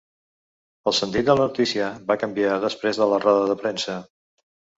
El sentit de la notícia va canviar després de la roda de premsa.